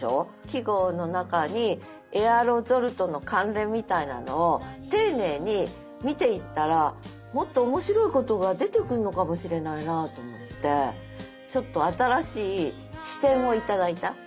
季語の中にエアロゾルとの関連みたいなのを丁寧に見ていったらもっと面白いことが出てくんのかもしれないなと思ってちょっと新しい視点を頂いた。